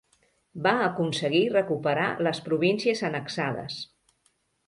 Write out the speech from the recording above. Va aconseguir recuperar les províncies annexades.